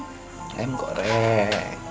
tufa mau makan soto gak